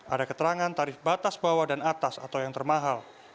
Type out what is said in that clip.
ada keterangan tarif batas bawah dan atas atau yang termahal